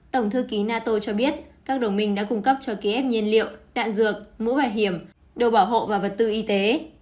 tổng thư ký nato cho biết các đồng minh đã cung cấp cho kiev nhiên liệu đạn dược mũ bảo hiểm đồ bảo hộ và vật tư y tế